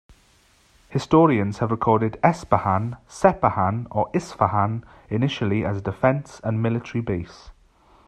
Historians have recorded "Espahan", "Sepahan" or "Isfahan" initially as a defense and military base.